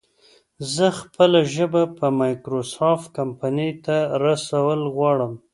زه خپله ژبه په مايکروسافټ کمپنۍ ته رسول غواړم